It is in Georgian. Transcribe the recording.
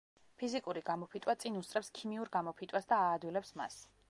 ფიზიკური გამოფიტვა წინ უსწრებს ქიმიურ გამოფიტვას და აადვილებს მას.